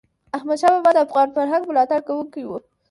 احمدشاه بابا د افغان فرهنګ ملاتړ کوونکی و.